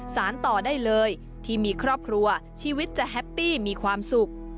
สารต่อได้เลยที่มีครอบครัวชีวิตจะแฮปปี้มีความสุข